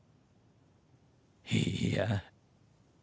いいや？